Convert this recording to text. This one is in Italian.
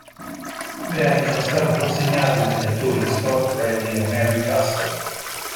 I premi sono stati consegnati dagli attori Scott Brady e Mary Castle.